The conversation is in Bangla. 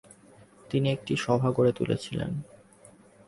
তিনি একটি সভা গড়ে তুলেছিলেন।